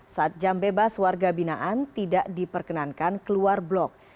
saat jam bebas warga binaan tidak diperkenankan keluar blok